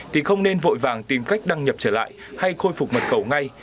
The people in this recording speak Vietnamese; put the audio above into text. thì không nên vội vàng tìm cách đăng nhập trở lại hay khôi phục mật khẩu ngay